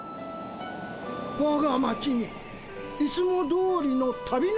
「わが町にいつもどおりの旅の風」。